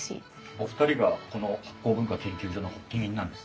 お二人がこの醗酵文化研究所の発起人なんです。